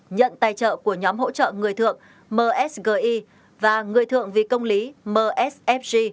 nhận tài trợ của nhóm hỗ trợ người thượng msgi và người thượng vì công lý msfg